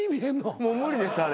もう無理ですあれ。